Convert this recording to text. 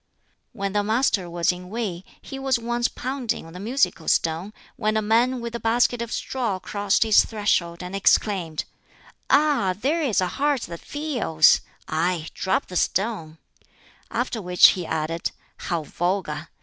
When the Master was in Wei, he was once pounding on the musical stone, when a man with a basket of straw crossed his threshold, and exclaimed, "Ah, there is a heart that feels! Aye, drub the stone!" After which he added, "How vulgar!